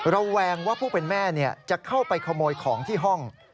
ระแวงว่าผู้เป็นแม่จะเข้าไปขโมยของที่ห้อง